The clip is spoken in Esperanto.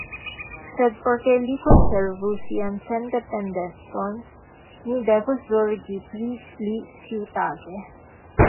Sed por ke li konservu sian sendependecon, ni devos zorgi pri li ĉiutage.